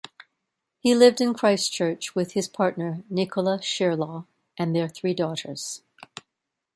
He lived in Christchurch with his partner Nicola Shirlaw, and their three daughters.